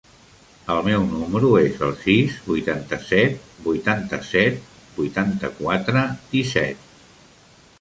El meu número es el sis, vuitanta-set, vuitanta-set, vuitanta-quatre, disset.